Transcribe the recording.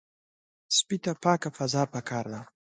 سپي ته پاکه فضا پکار ده.